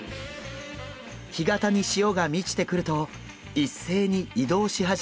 干潟に潮が満ちてくると一斉に移動し始めました。